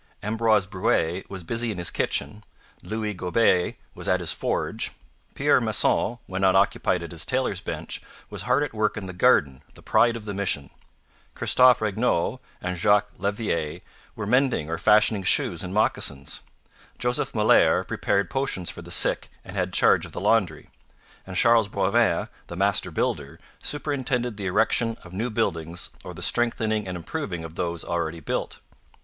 Ambroise Brouet was busy in his kitchen; Louis Gauber was at his forge; Pierre Masson, when not occupied at his tailor's bench, was hard at work in the garden, the pride of the mission; Christophe Regnaut and Jacques Levrier were mending or fashioning shoes and moccasins; Joseph Molere prepared potions for the sick and had charge of the laundry; and Charles Boivin, the master builder, superintended the erection of new buildings or the strengthening and improving of those already built.